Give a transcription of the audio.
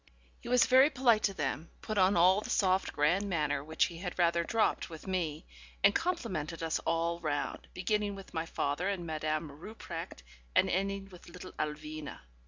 He was very polite to them; put on all the soft, grand manner, which he had rather dropped with me; and complimented us all round, beginning with my father and Madame Rupprecht, and ending with little Alwina.